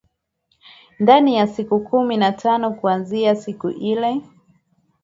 ndani ya siku kumi na tano kuaanzia siku ile